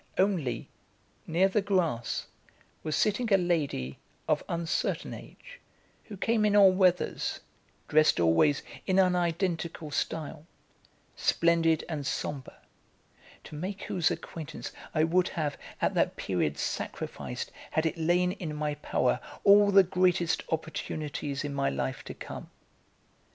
Only, near the grass, was sitting a lady of uncertain age who came in all weathers, dressed always in an identical style, splendid and sombre, to make whose acquaintance I would have, at that period, sacrificed, had it lain in my power, all the greatest opportunities in my life to come.